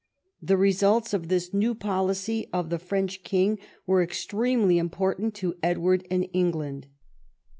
The results of this new policy of the French king were extremely im portant to Edward and England.